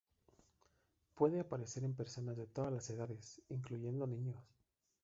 Puede aparecer en personas de todas las edades, incluyendo niños.